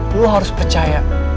lo harus percaya